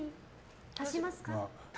足しますか？